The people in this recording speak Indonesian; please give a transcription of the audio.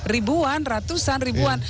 ribuan ratusan ribuan